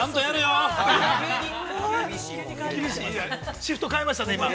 ◆シフト変えましたね、今。